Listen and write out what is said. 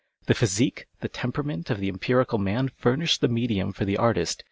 The physique, the temperament, of the empirical man furnish the medium for the artist.